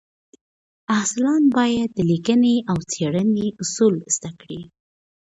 محصلان باید د لیکنې او څېړنې اصول زده کړي.